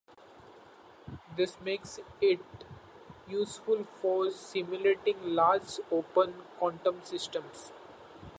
This makes it useful for simulating large open quantum systems.